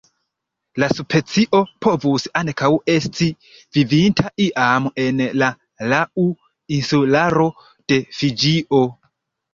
La specio povus ankaŭ esti vivinta iam en la Lau Insularo de Fiĝio.